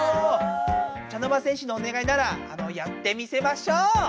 茶の間戦士のおねがいならやってみせましょう。